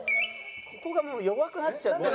ここがもう弱くなっちゃって。